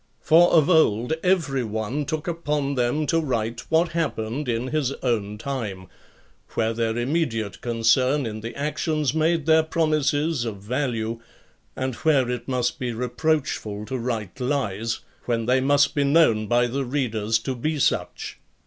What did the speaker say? For of old every one took upon them to write what happened in his own time; where their immediate concern in the actions made their promises of value; and where it must be reproachful to write lies, when they must be known by the readers to be such.